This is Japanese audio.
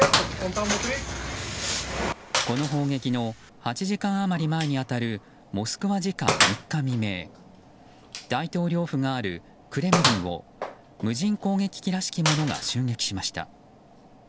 この砲撃の８時間余り前に当たるモスクワ時間３日未明大統領府があるクレムリンを無人攻撃機らしきものが襲撃しました。